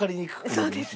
そうですね。